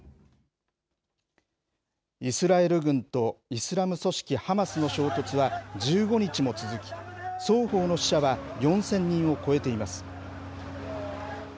イスラエル軍とイスラム組織ハマスの衝突は１５日も続き、双方の死者は４０００人を超えています。